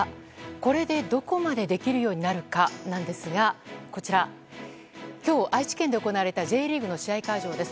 これでどこまでできるようになるかなんですがこちら、今日愛知県で行われたＪリーグの試合会場です。